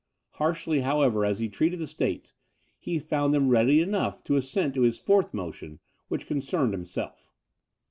Harshly, however, as he treated the States, he found them ready enough to assent to his fourth motion, which concerned himself.